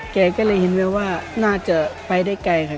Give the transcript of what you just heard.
แกก็เลยเห็นแววว่าน่าจะไปได้ไกลค่ะ